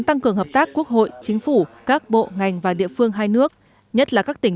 tăng cường hợp tác quốc hội chính phủ các bộ ngành và địa phương hai nước nhất là các tỉnh